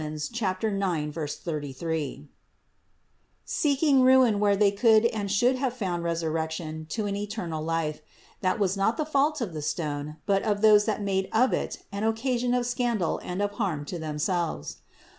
9, 33), seeking ruin where they could and should have found resurrection to an eternal life, that was not the fault of the stone, but of those that made of it an occasion of scandal and of harm to them selves.